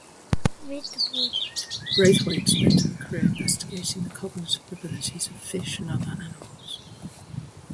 Braithwaite spent her career investigating the cognitive abilities of fish and other animals.